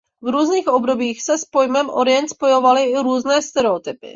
V různých obdobích se s pojmem Orient spojovaly i různé stereotypy.